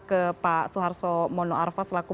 ke pak soeharto mono arfa selaku